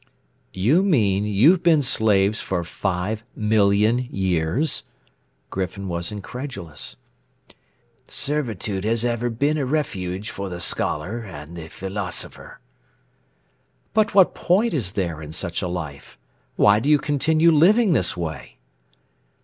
"You mean you've been slaves for five million years?" Griffin was incredulous. "Servitude has ever been a refuge for the scholar and the philosopher." "But what point is there in such a life? Why do you continue living this way?"